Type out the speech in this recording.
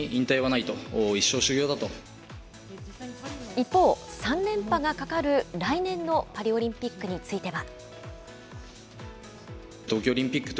一方、３連覇がかかる来年のパリオリンピックについては。